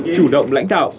chủ động lãnh đạo